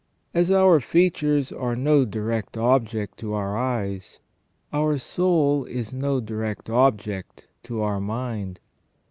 As our features are no direct object to our eyes, our soul is no direct object to our mind.